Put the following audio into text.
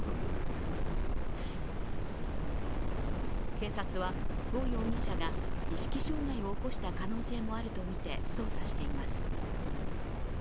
警察は、呉容疑者が意識障害を起こした可能性もあるとみて捜査しています。